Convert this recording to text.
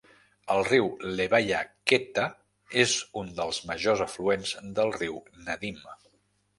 El riu Levaya Khetta és un dels majors afluents del riu Nadym.